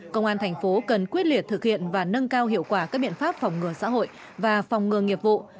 công an thành phố cần quyết liệt thực hiện và nâng cao hiệu quả các biện pháp phòng ngừa xã hội và phòng ngừa nghiệp vụ